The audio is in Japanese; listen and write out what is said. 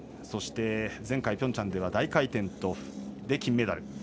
そして、前回ピョンチャンでは大回転で金メダル。